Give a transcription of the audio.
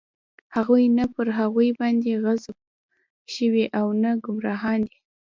چې نه پر هغوى باندې غضب شوى او نه ګمراهان دی.